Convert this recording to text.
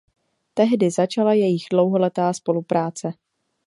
Tehdy začala jejich dlouholetá spolupráce.